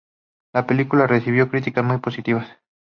La película recibió críticas muy positivas.